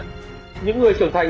những người trưởng thành